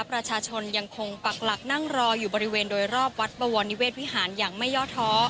ประชาชนยังคงปักหลักนั่งรออยู่บริเวณโดยรอบวัดบวรนิเวศวิหารอย่างไม่ย่อท้อ